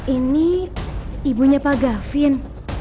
ini ibunya pak gaffin